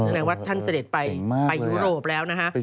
ในวัดท่านเสด็จไปยุโรปแล้วนะฮะ